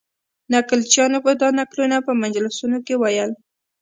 نکلچیانو به دا نکلونه په مجلسونو کې ویل.